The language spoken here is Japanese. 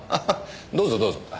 どうぞどうぞ。